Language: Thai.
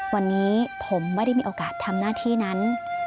วันนี้ผมไม่ได้มีโอกาสทำหน้าที่นั้น